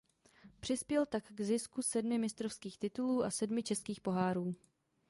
Přispěl tak k zisku sedmi mistrovských titulů a sedmi českých pohárů.